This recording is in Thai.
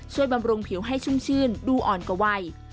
บำรุงผิวให้ชุ่มชื่นดูอ่อนกว่าวัย